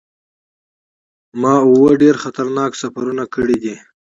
ما اووه ډیر خطرناک سفرونه کړي دي.